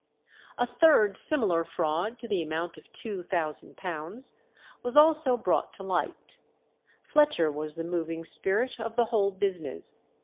A third similar fraud to the amount of £2000 was also brought to light. Fletcher was the moving spirit of the whole business.